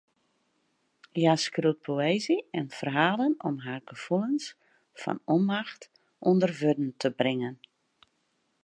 Hja skriuwt poëzy en ferhalen om har gefoelens fan ûnmacht ûnder wurden te bringen.